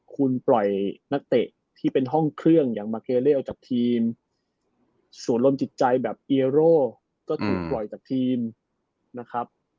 คุณปล่อยนักเตะที่เป็นห้องเครื่องอย่างมาเกเล่ออกจากทีมส่วนลมจิตใจแบบเอโร่ก็ถูกปล่อยจากทีมนะครับ